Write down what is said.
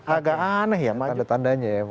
agak aneh ya tanda tandanya ya